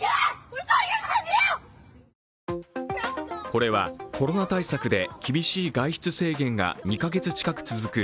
これは、コロナ対策で厳しい外出制限が２カ月近く続く